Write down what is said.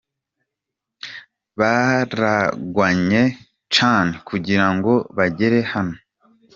Baragwanye cane kugira ngo bagere hano.